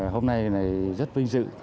hôm nay rất vinh dự